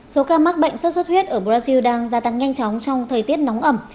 số ca mắc bệnh sốt xuất huyết ở brazil đang gia tăng nhanh chóng trong thời tiết nóng ẩm